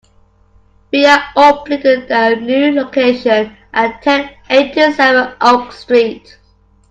We are opening the a new location at ten eighty-seven Oak Street.